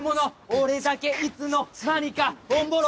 俺だけいつの間にかオンボロ！